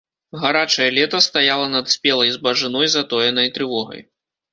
Гарачае лета стаяла над спелай збажыной затоенай трывогай.